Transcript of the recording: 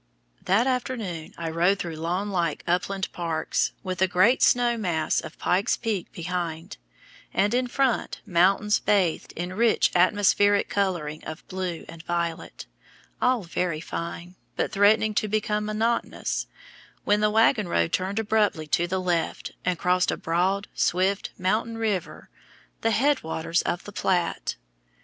That afternoon I rode through lawnlike upland parks, with the great snow mass of Pike's Peak behind, and in front mountains bathed in rich atmospheric coloring of blue and violet, all very fine, but threatening to become monotonous, when the wagon road turned abruptly to the left, and crossed a broad, swift, mountain river, the head waters of the Platte.